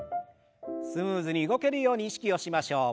スムーズに動けるように意識をしましょう。